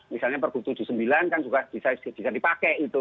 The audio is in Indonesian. misalnya pergub tujuh puluh sembilan kan juga bisa dipakai gitu